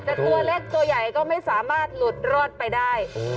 แต่ตัวเล็กตัวใหญ่ก็ไม่สามารถหลุดรอดไปได้